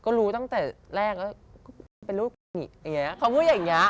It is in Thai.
ก็รู้ตั้งแต่แรกเป็นรูปอย่างนี้เขาพูดอย่างนี้